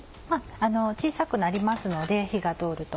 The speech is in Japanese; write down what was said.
小さくなりますので火が通ると。